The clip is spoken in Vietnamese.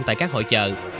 tại các hội chợ